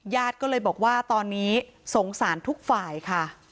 ญาติก็เลยบอกว่าตอนนี้สงสารทุกฝ่ายค่ะ